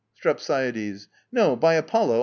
STREPSIADES. No, by Apollo!